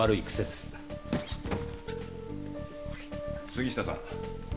杉下さん。